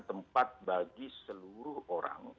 tempat bagi seluruh orang